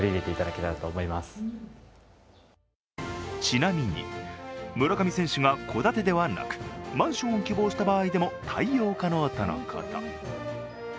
ちなみに村上選手が戸建てではなくマンションを希望した場合でも対応可能とのこと。